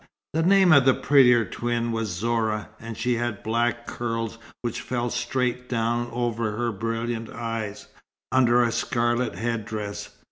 The name of the prettier twin was Zorah, and she had black curls which fell straight down over her brilliant eyes, under a scarlet head dress.